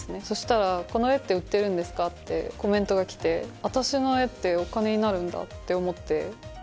そしたら「この絵って売ってるんですか？」ってコメントが来て私の絵ってお金になるんだって思って。